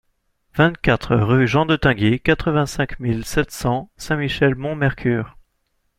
vingt-quatre rue Jean de Tinguy, quatre-vingt-cinq mille sept cents Saint-Michel-Mont-Mercure